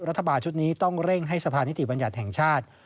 รัฐบาลชุดนี้ต้องเร่งให้สะพานิติบัญญัติแห่งชาติ